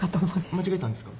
間違えたんですか？